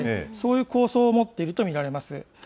そういう構想を持っていると見られます。